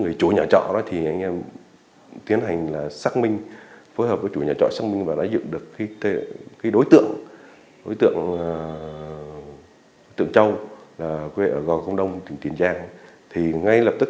người chủ nhà trọ thì tiến hành xác minh phối hợp với chủ nhà trọ xác minh và đã dựng được đối tượng châu ở gòi không đông tỉnh tiền giang